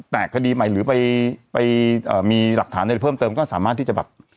แต่คดีใหม่หรือไปมีหลักฐานอะไรเพิ่มเติมก็สามารถที่จะแบบ